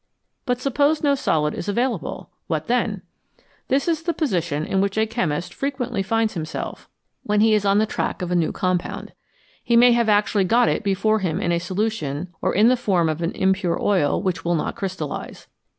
But suppose no solid is available ! what then ? This is the position in which a chemist frequently finds himself 317 FROM SOLUTIONS TO CRYSTALS when he is on the track of a new compound. He may have actually got it before him in a solution or in the form of an impure oil which will not crystallise.